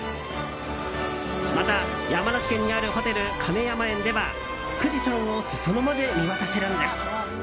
また、山梨県にあるホテル鐘山苑では富士山を裾野まで見渡せるんです。